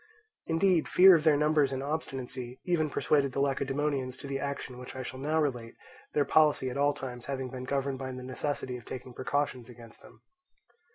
Indeed fear of their numbers and obstinacy even persuaded the Lacedaemonians to the action which I shall now relate, their policy at all times having been governed by the necessity of taking precautions against them.